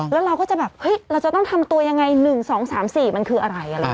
แล้วเราก็จะแบบเฮ้ยเราจะต้องทำตัวยังไง๑๒๓๔มันคืออะไร